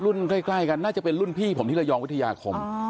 ใกล้กันน่าจะเป็นรุ่นพี่ผมที่ระยองวิทยาคม